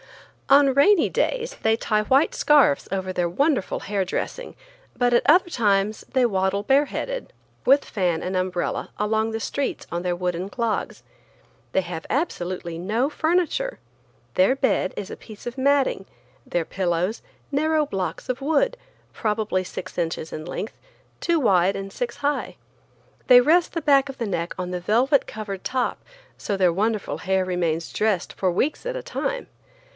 On rainy days they tie white scarfs over their wonderful hair dressing, but at other times they waddle bareheaded, with fan and umbrella, along the streets on their wooden clogs. They have absolutely no furniture. Their bed is a piece of matting, their pillows, narrow blocks of wood, probably six inches in length, two wide and six high. They rest the back of the neck on the velvet covered top, so their wonderful hair remains dressed for weeks at a time.